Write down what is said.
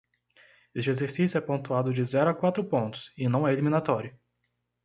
Este exercício é pontuado de zero a quatro pontos e não é eliminatório.